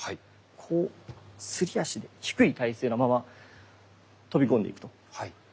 こうすり足で低い体勢のまま飛び込んでいくと。